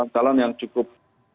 calon yang cukup